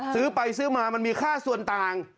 ซื้อไปซื้อมามันมีค่าส่วนต่าง